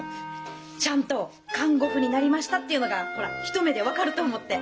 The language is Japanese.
ちゃんと看護婦になりましたっていうのがホラ一目で分かると思って。